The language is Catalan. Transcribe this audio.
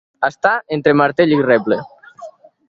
Estar entre martell i reble.